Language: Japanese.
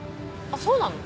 あっそうなの？